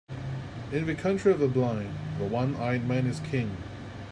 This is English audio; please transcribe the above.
In the country of the blind, the one-eyed man is king.